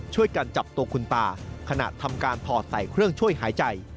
ช่วยกันจับตัวคุณตาขณะทำการถอดใส่เครื่องช่วยหายใจ